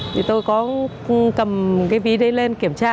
thì tôi có cầm cái ví đấy lên kiểm tra